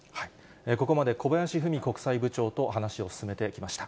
ここまで、小林史国際部長と話を進めてきました。